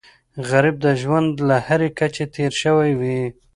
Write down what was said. غریب د ژوند له هرې کچې تېر شوی وي